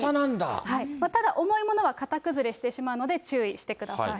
ただ、重いものは型崩れしてしまうので注意してください。